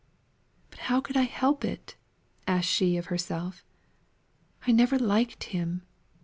"But how could I help it?" asked she of herself. "I never liked him.